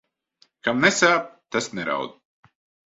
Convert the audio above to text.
Kam nesāp, tas neraud.